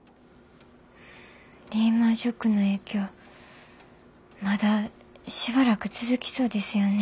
リーマンショックの影響まだしばらく続きそうですよね。